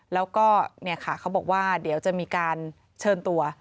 แล้วก็เนี่ยค่ะเขาบอกว่าเดี๋ยวจะมีการเชิญตัว